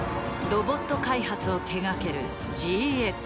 ロボット開発を手がけるＧＸ。